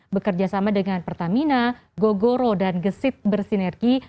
bekerjasama dengan pertamina gogoro dan gesit bersinergi